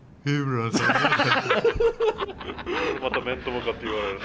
また面と向かって言われる。